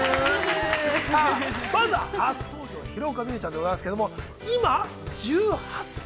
さあ、まずは初登場、廣岡実夢ちゃんでございますけども、今、１８歳？